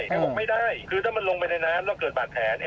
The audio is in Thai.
เขาบอกไม่ได้คือถ้ามันลงไปในน้ำแล้วเกิดบาดแผล